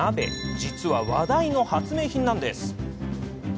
実は、話題の発明品なんです。